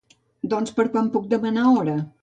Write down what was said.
Doncs per quan puc demanar hora?